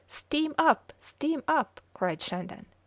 "Steam up! steam up!" cried Shandon.